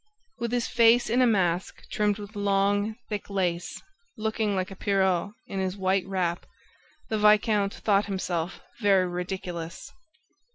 With his face in a mask trimmed with long, thick lace, looking like a pierrot in his white wrap, the viscount thought himself very ridiculous.